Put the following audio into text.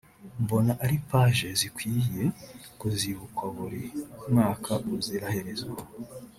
Mbona ari pages zikwiye kuzibukwa buri mwaka ubuziraherezo